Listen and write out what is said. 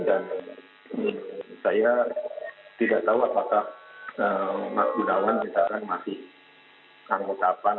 dan saya tidak tahu apakah mas budawan sekarang masih mengucapkan